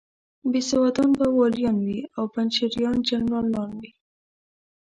بېسوادان به والیان وي او پنجشیریان جنرالان وي.